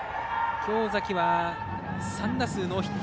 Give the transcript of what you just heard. きょう、尾崎は３打数ノーヒット。